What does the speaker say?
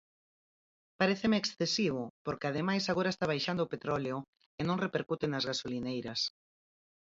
Paréceme excesivo, porque ademais agora está baixando o petróleo e non repercute nas gasolineiras.